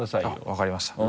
分かりました。